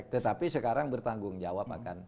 tetapi sekarang bertanggung jawab akan